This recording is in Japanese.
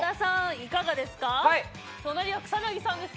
いかがですか。